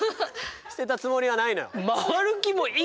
捨てたつもりはないのよ。